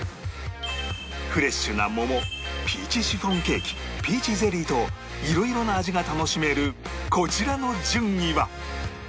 フレッシュな桃ピーチシフォンケーキピーチゼリーと色々な味が楽しめるこちらの順位は？